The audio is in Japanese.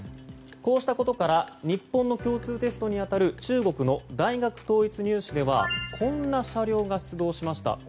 こうしたことから日本の共通テストに当たる中国の大学統一入試ではこんな車両が出動しました。